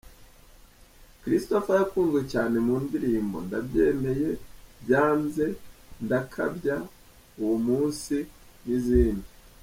Christopher yakunzwe cyane mu ndirimbo “Ndabyemeye”, “Byanze”, “Ndakabya”, “Uwo munsi” n’izindi.